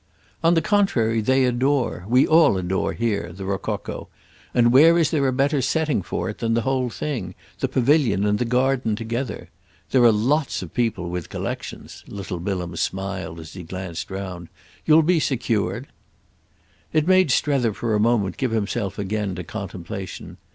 "On the contrary they adore—we all adore here—the rococo, and where is there a better setting for it than the whole thing, the pavilion and the garden, together? There are lots of people with collections," little Bilham smiled as he glanced round. "You'll be secured!" It made Strether for a moment give himself again to contemplation.